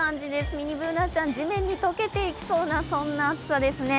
ミニＢｏｏｎａちゃん、地面に溶けていきそうなそんな暑さですね。